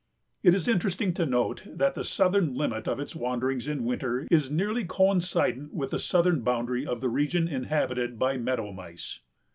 It is interesting to note "that the southern limit of its wanderings in winter is nearly coincident with the southern boundary of the region inhabited by meadow mice."